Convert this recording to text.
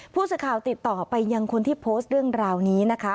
ผู้สื่อข่าวติดต่อไปยังคนที่โพสต์เรื่องราวนี้นะคะ